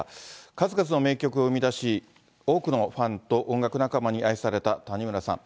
数々の名曲を生み出し、多くのファンと音楽仲間に愛された谷村さん。